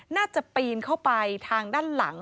ปีนเข้าไปทางด้านหลัง